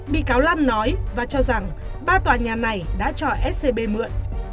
bị cáo lan nói và cho rằng ba tòa nhà này đã cho scb mượn